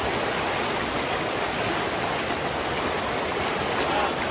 เมื่อเวลาอันดับสุดท้ายจะมีเวลาอันดับสุดท้ายมากกว่า